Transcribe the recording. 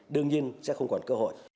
đương nhiên sẽ không còn cơ hội